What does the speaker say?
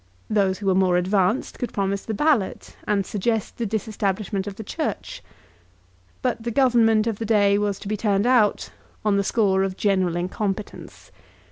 Those who were more advanced could promise the Ballot, and suggest the disestablishment of the Church. But the Government of the day was to be turned out on the score of general incompetence.